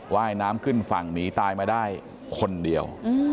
ว่ายน้ำขึ้นฝั่งหนีตายมาได้คนเดียว